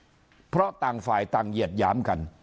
ให้ลุกขึ้นมาฆ่ากันเพราะต่างฝ่ายต่างเหยียดหยามกัน